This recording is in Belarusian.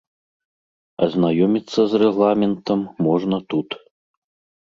Азнаёміцца з рэгламентам можна тут.